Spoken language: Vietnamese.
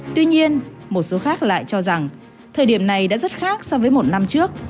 tuy nhiên một số khác lại cho rằng thời điểm này đã rất khác so với một năm trước